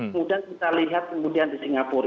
kemudian kita lihat kemudian di singapura